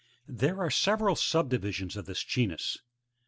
There are several sub divisions of this genus.